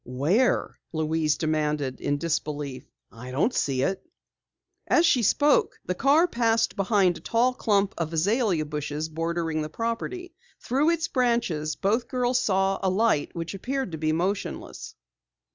"Where?" Louise demanded in disbelief. "I don't see it." As she spoke, the car passed beyond a tall clump of azalea bushes bordering the property. Through its branches both girls saw a light which appeared to be motionless.